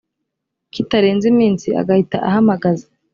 kitarenze iminsi agahita ahamagaza